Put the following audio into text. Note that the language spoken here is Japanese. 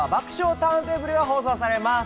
ターンテーブル」が放送されます。